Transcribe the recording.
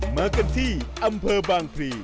มากันที่อำเภอบางพลี